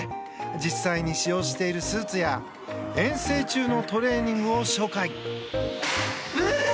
実際に使用しているスーツや遠征中のトレーニングを紹介。